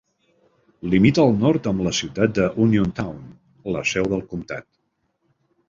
Limita al nord amb la ciutat de Uniontown, la seu del comtat.